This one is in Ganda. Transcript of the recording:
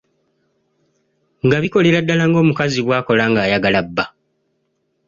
Nga bikolera ddala ng'omukazi bw'akola ng'ayagala bba.